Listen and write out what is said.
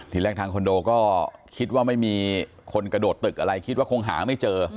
ทีแรกทางคอนโดก็คิดว่าไม่มีคนกระโดดตึกอะไรคิดว่าคงหาไม่เจอ